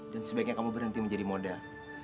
dan sebaiknya kamu berhenti menjadi moda